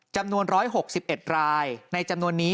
จำนวน๑๖๑รายในจำนวนนี้